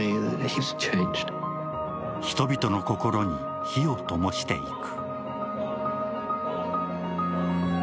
人々の心に火をともしていく。